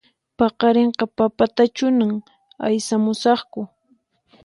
Paqarinqa papatachunan aysamusaqku